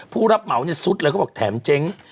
ผู้รับเหมาเนี่ยซุดเลยเขาบอกแถมเจ๊ง